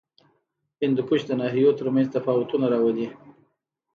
هندوکش د ناحیو ترمنځ تفاوتونه راولي.